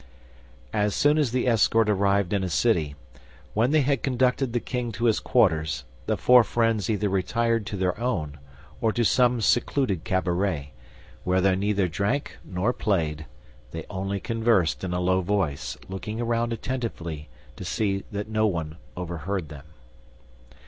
As soon as the escort arrived in a city, when they had conducted the king to his quarters the four friends either retired to their own or to some secluded cabaret, where they neither drank nor played; they only conversed in a low voice, looking around attentively to see that no one overheard them.